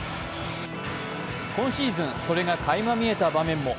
今シーズンそれがかいま見えた場面も。